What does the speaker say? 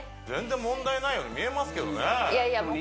全然問題ないように見えますけどいやいや